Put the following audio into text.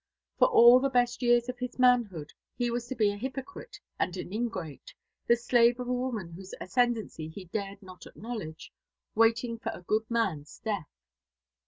For all the best years of his manhood he was to be a hypocrite and an ingrate the slave of a woman whose ascendency he dared not acknowledge, waiting for a good man's death.